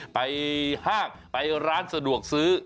ห้างไปร้านสะดวกซื้อ